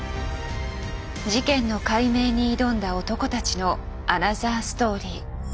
事件の解明に挑んだ男たちのアナザーストーリー。